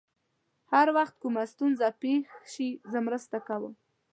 هر وخت کومه ستونزه پېښ شي، زه مرسته کوم.